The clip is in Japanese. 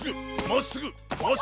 まっすぐ！